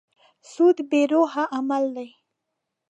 سود بې روحه عمل دی.